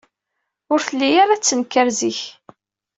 Ur telli ara tettenkar zik.